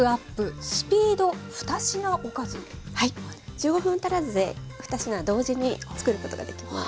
はい１５分足らずで２品同時に作ることができます。